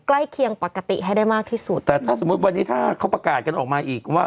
ใกล้เคียงปกติให้ได้มากที่สุดแต่ถ้าสมมุติวันนี้ถ้าเขาประกาศกันออกมาอีกว่า